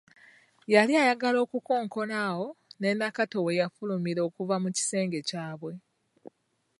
Yali ayagala okukonkona awo ne Nakitto we yafulumira okuva mu kisenge kyabwe.